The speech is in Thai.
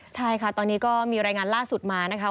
ใช่ค่ะตอนนี้ก็มีรายงานล่าสุดมานะคะ